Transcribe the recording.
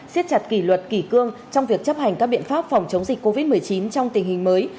xiết chặt kỷ luật kỷ cương trong việc chấp hành các biện pháp phòng chống dịch covid một mươi chín trong tình hình mới